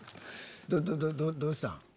どうしたん？